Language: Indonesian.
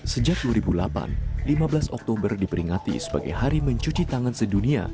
sejak dua ribu delapan lima belas oktober diperingati sebagai hari mencuci tangan sedunia